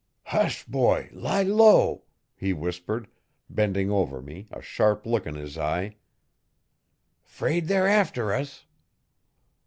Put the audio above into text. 'Hush, boy! lie low,' he whispered, bending over me, a sharp look in his eye.' 'Fraid they're after us.'